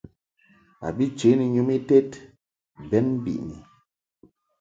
A bi che ni nyum ited bɛn biʼni.